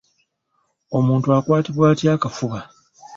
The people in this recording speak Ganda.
Omuntu akwatibwa atya akafuba?